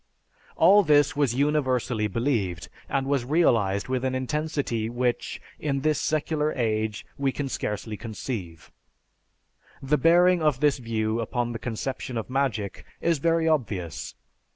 All this was universally believed, and was realized with an intensity which, in this secular age, we can scarcely conceive. The bearing of this view upon the conception of magic is very obvious.